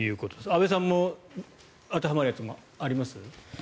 安部さんも当てはまるやつ、あります？